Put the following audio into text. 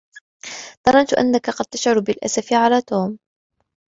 ظننت أنك قد تشعر بالأسف على توم.